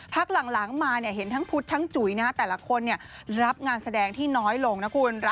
พักหลังหลังมาเนี้ยเห็นทั้งพุทธทั้งจุ๋ยนะฮะแต่ละคนเนี้ยรับงานแสดงที่น้อยลงนะคุณ